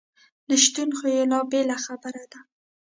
نشتون خو یې لا بله خبره ده.